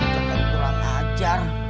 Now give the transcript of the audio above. coba kurang ajar